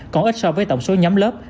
còn ít so với tổng số nhóm lớp